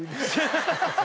ハハハハ！